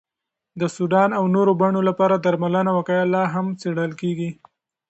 د سودان او نورو بڼو لپاره درملنه او وقایه لا هم څېړل کېږي.